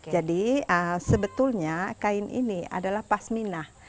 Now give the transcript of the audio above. jadi sebetulnya kain ini adalah pasmina